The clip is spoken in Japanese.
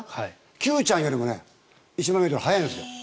Ｑちゃんよりも１００００ｍ速いんですよ。